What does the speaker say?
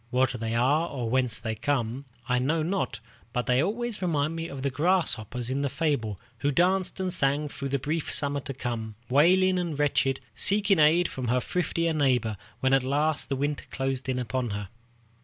What they are or whence they come, I know not, but they always remind me of the grasshopper in the fable, who danced and sang through the brief summer, to come, wailing and wretched, seeking aid from her thriftier neighbor when at last the winter closed in upon her.